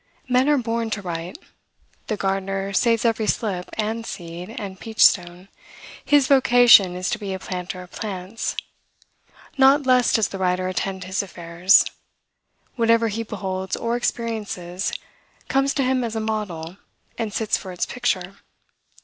Men are born to write. The gardener saves every slip, and seed, and peach stone; his vocation is to be a planter of plants. Not less does the writer attend his affairs. Whatever he beholds or experiences, comes to him as a model, and sits for its picture.